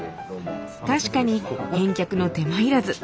確かに返却の手間いらず。